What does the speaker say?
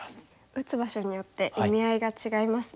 打つ場所によって意味合いが違いますね。